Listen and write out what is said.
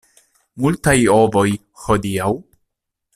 Multaj ovoj hodiaŭ?